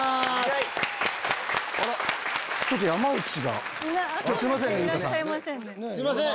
いらっしゃいませんね。